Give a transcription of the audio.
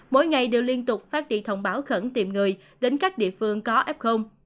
mỗi ngày đều liên tục phát đi thông báo khẩn tìm người đến các địa phương có f